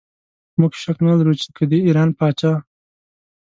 موږ شک نه لرو چې که د ایران پاچا.